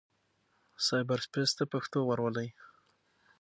سايبر سپېس ته پښتو ورولئ.